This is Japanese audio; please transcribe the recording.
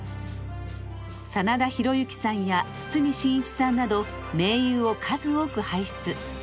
真田広之さんや堤真一さんなど名優を数多く輩出。